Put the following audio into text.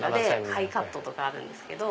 ハイカットとかあるんですけど。